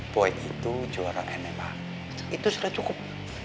boy itu juara nma itu sudah cukup